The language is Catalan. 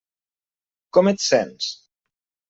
Com et sents?